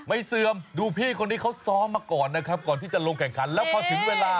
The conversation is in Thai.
เสื่อมดูพี่คนนี้เขาซ้อมมาก่อนนะครับก่อนที่จะลงแข่งขันแล้วพอถึงเวลา